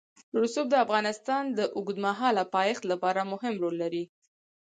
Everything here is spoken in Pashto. رسوب د افغانستان د اوږدمهاله پایښت لپاره مهم رول لري.